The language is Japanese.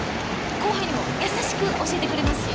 後輩にも優しく教えてくれますし